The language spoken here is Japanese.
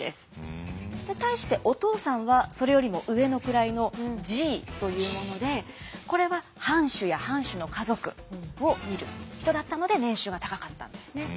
対してお父さんはそれよりも上の位の侍医というものでこれは藩主や藩主の家族を診る人だったので年収が高かったんですね。